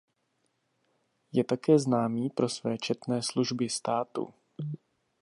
Je také známý pro své četné služby státu.